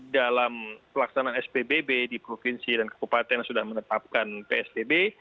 dalam pelaksanaan spbb di provinsi dan kekupaten yang sudah menetapkan psbb